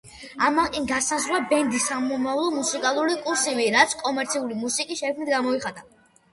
ამან კი განსაზღვრა ბენდის სამომავლო მუსიკალური კურსივი, რაც კომერციული მუსიკის შექმნით გამოიხატა.